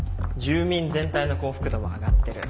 住民全体の幸福度も上がってる。